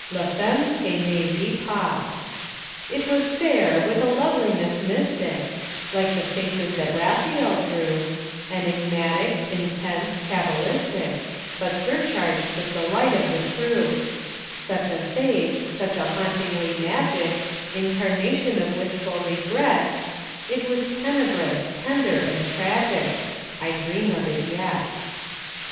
LA FEMME QUE NE RIT PAS. It was fair with a loveliness mystic, Like the faces that Raphael drew, Enigmatic, intense, cabalistic, But surcharged with the light of the true: Such a face, such a hauntingly magic Incarnation of wistful regret, It was tenebrous, tender, and tragic, I dream of it yet.